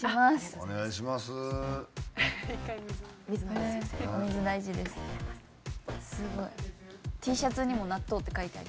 すごい。